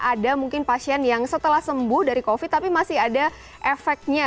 ada mungkin pasien yang setelah sembuh dari covid tapi masih ada efeknya